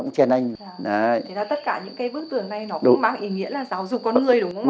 nó cũng mang ý nghĩa là giáo dục con người đúng không ạ